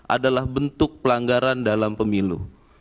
adalah bentuk pelanggaran dalam pemilu